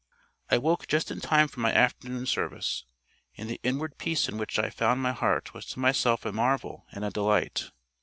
I woke just in time for my afternoon service; and the inward peace in which I found my heart was to myself a marvel and a delight.